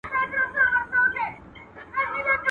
نامردان د مړو لاري وهي.